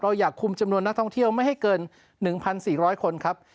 อยากคุมจำนวนนักท่องเที่ยวไม่ให้เกิน๑๔๐๐คนครับ